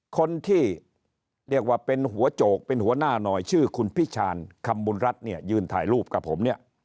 คนที่เรียกว่าเป็นหัวโจกเป็นหัวหน้าหน่อยชื่อคุณพิชานคำบุญรัฐเนี่ยยืนถ่ายรูปกับผมเนี่ย